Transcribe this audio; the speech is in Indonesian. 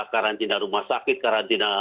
karantina rumah sakit karantina